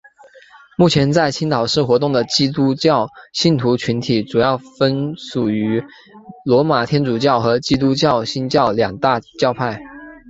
目前在青岛市活动的基督教信徒群体主要分属于罗马天主教和基督教新教两大教派。